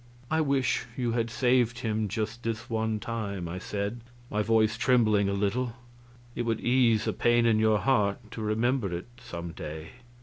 "I wish you had saved him just this one time," I said, my voice trembling a little; "it would ease a pain in your heart to remember it some day."